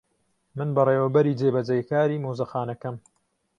من بەڕێوەبەری جێبەجێکاری مۆزەخانەکەم.